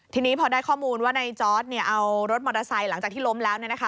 ทีนี้พอได้ข้อมูลว่าในจอร์ดเอารถมอเตอร์ไซค์หลังจากที่ล้มแล้ว